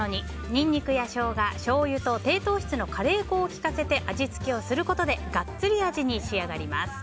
ニンニクやショウガ、しょうゆと低糖質のカレー粉を利かせて味付けすることでガッツリ味に仕上がります。